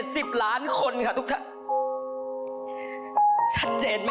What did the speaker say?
ของท่านได้เสด็จเข้ามาอยู่ในความทรงจำของคน๖๗๐ล้านคนค่ะทุกท่าน